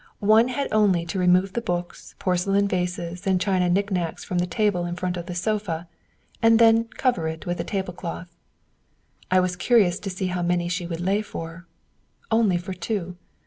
One had only to remove the books, porcelain vases, and china knick knacks from the table in front of the sofa, and then cover it with the table cloth. I was curious to see how many she would lay for. Only for two.